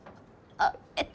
あっえっと。